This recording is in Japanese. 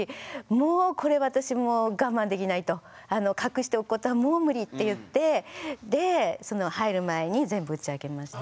もうこれ私もう我慢できないと隠しておくことはもうムリって言ってで入る前に全部打ち明けました。